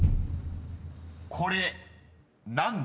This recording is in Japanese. ［これ何年？］